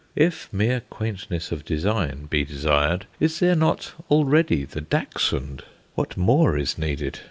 If mere quaintness of design be desired, is there not already the Dachshund! What more is needed?